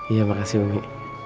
iya makasih umi